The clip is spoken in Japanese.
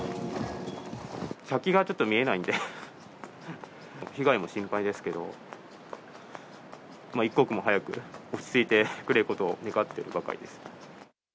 先がちょっと見えないんで、被害も心配ですけど、一刻も早く落ち着いてくれることを願っているばかりです。